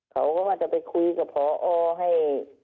เขาก็ว่าจะไปคุยกับพอให้